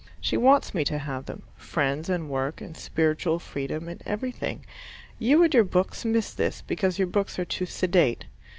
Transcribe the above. She wants me to have them friends and work, and spiritual freedom, and everything. You and your books miss this, because your books are too sedate.